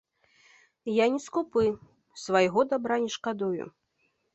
Я не скупы, свайго дабра не шкадую.